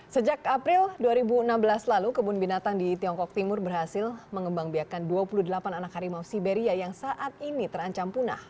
sejak april dua ribu enam belas lalu kebun binatang di tiongkok timur berhasil mengembang biakan dua puluh delapan anak harimau siberia yang saat ini terancam punah